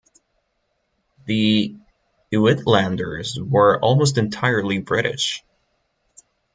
The uitlanders were almost entirely British.